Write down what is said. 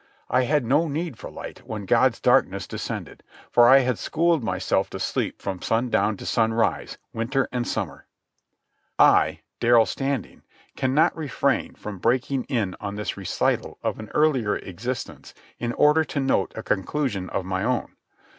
I had no need for light when God's darkness descended, for I had schooled myself to sleep from sundown to sunrise, winter and summer. I, Darrell Standing, cannot refrain from breaking in on this recital of an earlier existence in order to note a conclusion of my own.